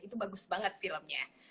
itu bagus banget filmnya